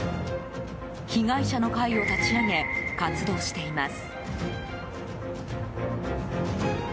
被害者の会を立ち上げ活動しています。